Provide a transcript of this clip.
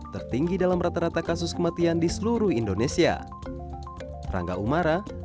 tertinggi dalam rata rata kasus kematian di seluruh indonesia